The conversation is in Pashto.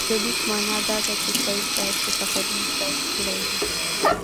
د لیک معنی دا ده چې سید باید په سفرونو پیل کړی وي.